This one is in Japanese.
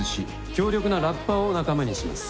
強力なラッパーを仲間にします。